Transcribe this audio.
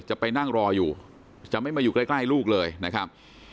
จะไปนั่งรออยู่จะไม่มาอยู่ใกล้ลูกเลยนะครับ